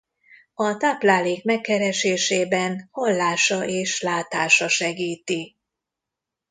A táplálék megkeresésében hallása és látása segíti.